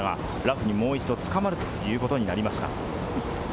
ラフにもう一度捕まるということになりました。